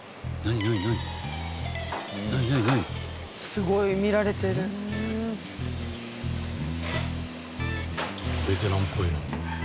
「すごい見られてる」「ベテランっぽいのに」